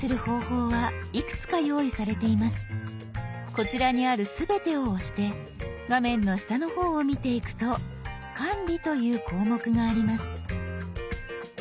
こちらにある「すべて」を押して画面の下の方を見ていくと「管理」という項目があります。